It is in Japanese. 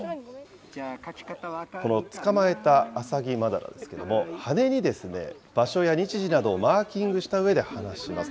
この捕まえたアサギマダラなんですけれども、羽に場所や日時などをマーキングしたうえで放します。